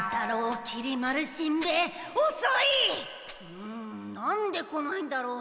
うんなんで来ないんだろう。